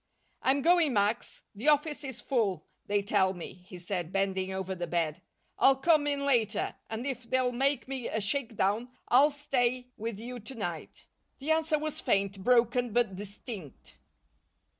"I'm going, Max. The office is full, they tell me," he said, bending over the bed. "I'll come in later, and if they'll make me a shakedown, I'll stay with you to night." The answer was faint, broken but distinct.